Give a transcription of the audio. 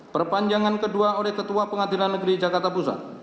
perpanjangan kedua oleh ketua pengadilan negeri jakarta pusat